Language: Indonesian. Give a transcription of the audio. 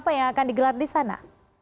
apa yang akan digelar di sana